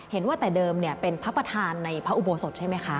เห็นว่าแต่เดิมเป็นพระประธานในพระอุโบสถใช่ไหมคะ